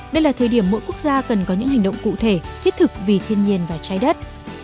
đây là thời điểm mỗi quốc gia cần có những hành động cụ thể thiết thực vì thiên nhiên và trái đất